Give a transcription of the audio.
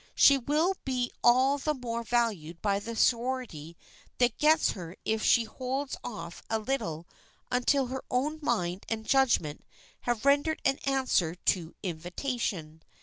She will be all the more valued by the sorority that gets her if she holds off a little until her own mind and judgment have rendered an answer to invitation.